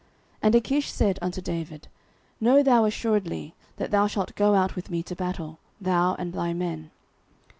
And Achish said unto David, Know thou assuredly, that thou shalt go out with me to battle, thou and thy men.